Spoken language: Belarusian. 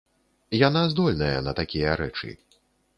Яна здольная на такія рэчы.